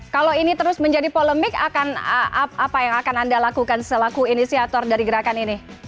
kalau ini terus menjadi polemik apa yang akan anda lakukan selaku inisiator dari gerakan ini